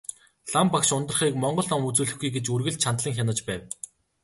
Багш лам Ундрахыг монгол ном үзүүлэхгүй гэж үргэлж чандлан хянаж байв.